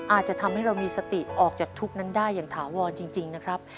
อาจจะทำให้เรามีสติออกจากทุกข์นั้นได้อย่างถาวรจริงนะครับ